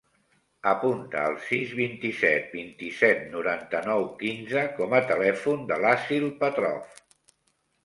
Apunta el sis, vint-i-set, vint-i-set, noranta-nou, quinze com a telèfon de l'Assil Petrov.